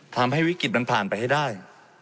ทำให้วิกฤตมันผ่านไปให้ได้